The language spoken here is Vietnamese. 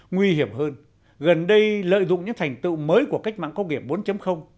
nguy hiểm hơn gần đây lợi dụng những thành tựu mới của cách mạng công nghiệp bốn